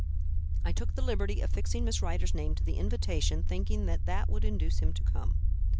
I took the liberty of fixing Miss Rider's name to the invitation, thinking that that would induce him to come."